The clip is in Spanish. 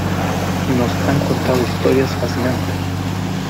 Nos han contado historias fascinantes.